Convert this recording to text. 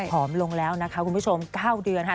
อมลงแล้วนะคะคุณผู้ชม๙เดือนค่ะ